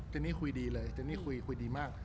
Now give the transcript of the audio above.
แจนหนี้คุยดีเลยคุยดีมาก